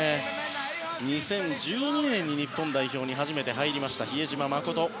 ２０１２年に日本代表に初めて入りました、比江島慎。